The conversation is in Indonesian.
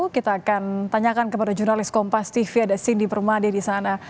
kita akan tanyakan kepada jurnalis kompas tv ada cindy permade di sana